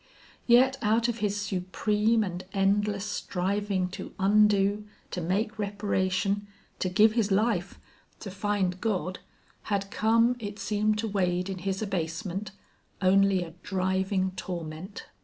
Yet out of his supreme and endless striving to undo, to make reparation, to give his life, to find God, had come, it seemed to Wade in his abasement, only a driving torment.